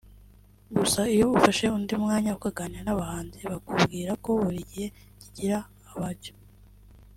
gusa iyo ufashe undi mwanya ukaganira n’abahanzi bakubwira ko buri gihe kigira abacyo